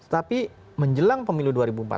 tapi menjelang pemilu dua ribu empat belas